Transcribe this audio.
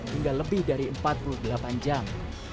hingga lebih dari empat puluh delapan jam